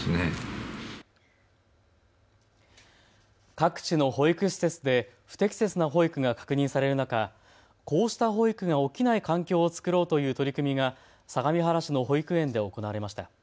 各地の保育施設で不適切な保育が確認される中、こうした保育が起きない環境を作ろうという取り組みが相模原市の保育園で行われました。